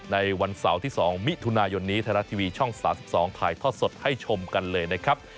ในวันเสาร์ที่๒มิถุนายนนี้ไทยรัฐทีวีช่อง๓๒ถ่ายทอดสดให้ชมกันเลยนะครับ